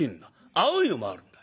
青いのもあるんだ。